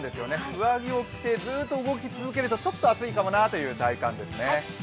上着を着てずっと動き続けるとちょっと暑いかなという体感ですね。